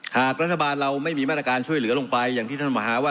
หากรัฐบาลเราไม่มีมาตรการช่วยเหลือลงไปอย่างที่ท่านมหาว่า